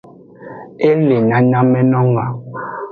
E le nyanyamenung a.